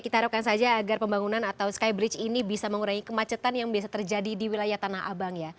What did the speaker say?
kita harapkan saja agar pembangunan atau skybridge ini bisa mengurangi kemacetan yang biasa terjadi di wilayah tanah abang ya